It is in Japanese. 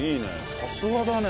さすがだね。